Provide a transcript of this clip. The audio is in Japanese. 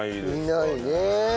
いないね。